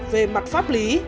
về mặt pháp lý